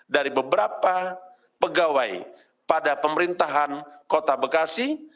dari beberapa pegawai pada pemerintahan kota bekasi